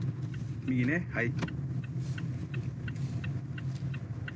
右ねはい。